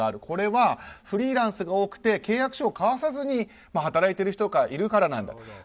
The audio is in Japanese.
これはフリーランスが多くて契約書を交わさずに働いてる人がいるからなんだと。